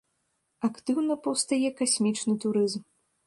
Актыўна паўстае касмічны турызм.